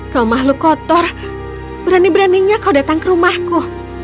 kau makhluk kotor berani beraninya kau datang ke rumahku